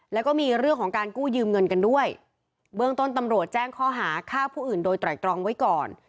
แล้วก็มีเรื่องของการกู้ยืมเงินกันด้วยเบื้องต้นตำรวจแจ้งข้อหาฆ่าผู้อื่นโดยไตรตรองไว้ก่อน